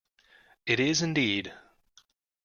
It is, indeed!